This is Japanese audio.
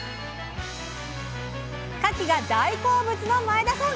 かきが大好物の前田さん！